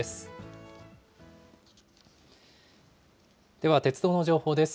では、鉄道の情報です。